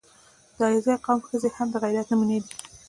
• د علیزي قوم ښځې هم د غیرت نمونې دي.